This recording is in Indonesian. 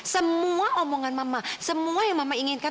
semua omongan mama semua yang mama inginkan